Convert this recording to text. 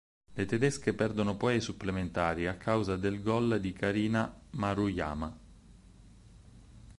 Le tedesche perdono poi ai supplementari, a causa del gol di Karina Maruyama.